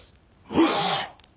よし！